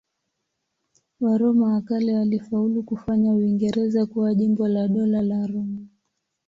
Waroma wa kale walifaulu kufanya Uingereza kuwa jimbo la Dola la Roma.